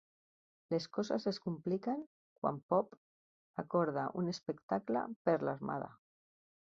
Les coses es compliquen quan Pop acorda un espectacle per l'Armada.